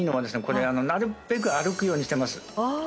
これなるべく歩くようにしてますあ！